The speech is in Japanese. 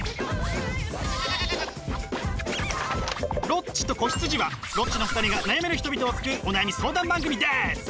「ロッチと子羊」はロッチの２人が悩める人々を救うお悩み相談番組です！